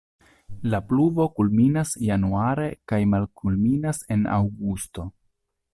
La pluvo kulminas januare kaj malkulminas en aŭgusto.